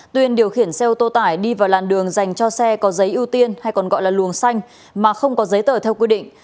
tuyên điều khiển xe ô tô tải đi vào làn đường dành cho xe có giấy ưu tiên hay còn gọi là luồng xanh mà không có giấy tờ theo quy định